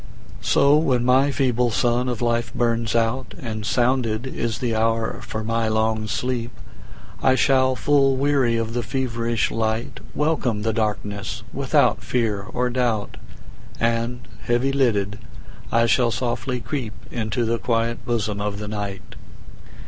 So when my feeble sun of life burns out, And sounded is the hour for my long sleep,I shall, full weary of the feverish light, Welcome the darkness without fear or doubt, And heavy lidded, I shall softly creepInto the quiet bosom of the Night.